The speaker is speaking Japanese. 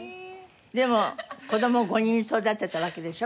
でも子供を５人育てたわけでしょ？